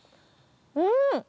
うん！